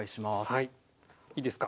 はいいいですか。